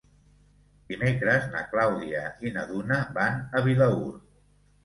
Dimecres na Clàudia i na Duna van a Vilaür.